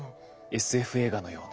ＳＦ映画のような。